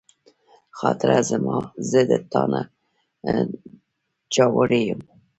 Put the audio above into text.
خاطره زه د تا نه چاوړی یم